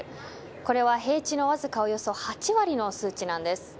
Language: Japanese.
これは平地のわずかおよそ８割の数値なんです。